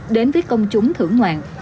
đến với công chúng thưởng ngoạn